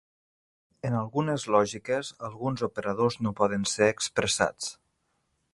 En algunes lògiques, alguns operadors no poden ser expressats.